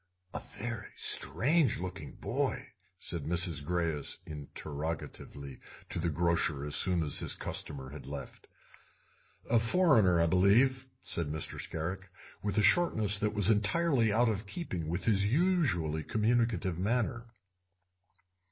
"A very strange looking boy?" said Mrs. Greyes interrogatively to the grocer as soon as his customer had left. "A foreigner, I believe," said Mr. Scarrick, with a shortness that was entirely out of keeping with his usually communicative manner.